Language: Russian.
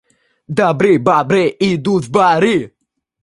Добры бобры идут в боры.